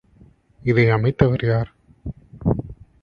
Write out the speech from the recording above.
இதை அமைத்தவர் யார்?